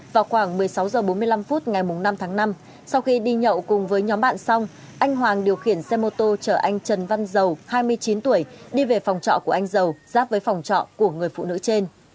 vào khoảng một mươi sáu h bốn mươi năm phút ngày năm tháng năm sau khi đi nhậu cùng với nhóm bạn xong anh hoàng điều khiển xe mô tô chở anh trần văn dầu hai mươi chín tuổi đi về phòng trọ của anh dầu giáp với phòng trọ của người phụ nữ trên